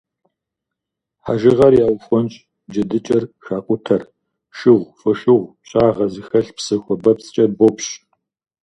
Хьэжыгъэр яухуэнщӏ, джэдыкӏэр хакъутэр шыгъу, фошыгъу, пщагъэ зыхэлъ псы хуабэпцӏкӏэ бопщ.